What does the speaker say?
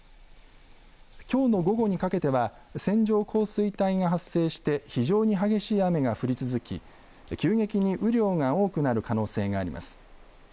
きょうの午後にかけては線状降水帯が発生して非常に激しい雨が降り続き急激に雨量が多くなる可能性があります。